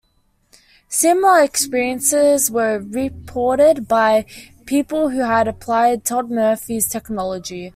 Similar experiences were reported by people who had applied Todd Murphy's technology.